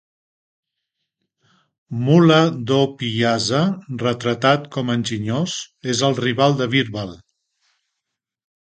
Mulla Do-Piyaza, retratat com a enginyós, és el rival de Birbal.